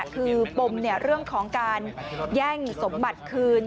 คือปมเรื่องของการแย่งสมบัติคืน